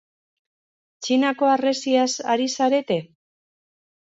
Txinako harresiaz ari zarete?